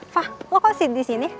fah lo kok sih di sini